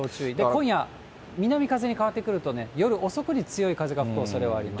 今夜、南風に変わってくるとね、夜遅くに強い風が吹くおそれがあります。